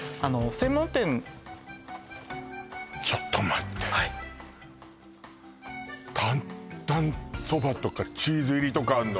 専門店ちょっと待ってはい担々そばとかチーズ入りとかあんの？